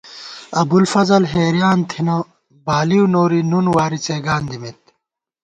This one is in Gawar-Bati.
ابُوالفضل حېریان تھنہ بالِؤ نوری نُن واری څېگان دِمېت